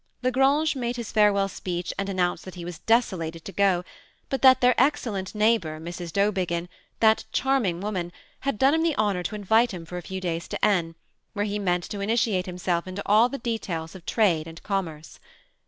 La Grange made his farewell*speech, and announced that he was desolated to go, but that their excellent neighbor, Mrs. Dowbiggin, that charming woman, had done him the honor to invite him for a few days to N y where he meant to imtiate himself into all the details of trade and commerce.